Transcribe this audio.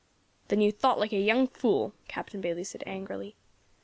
"Then you thought like a young fool," Captain Bayley said angrily.